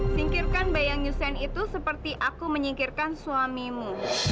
singkirkan bayang nyusen itu seperti aku menyingkirkan suamimu